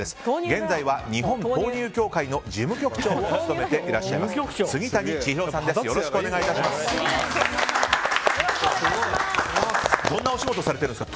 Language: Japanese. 現在は日本豆乳協会の事務局長を務めていらっしゃる杉谷智博さんです。